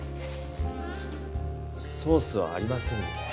ソースはありませんね。